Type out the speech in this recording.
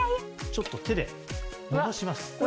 ちょっと手でのばします。